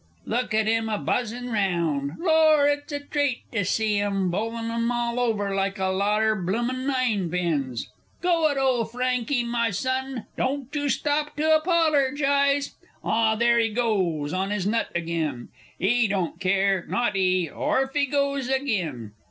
Look at 'im a buzzin' round! Lor, it's a treat to see 'im bowlin' 'em all over like a lot er bloomin' ninepins! Go it, ole Franky, my son don't you stop to apollergise!... Ah, there he goes on his nut agen! 'E don't care, not 'e!... Orf he goes agin!...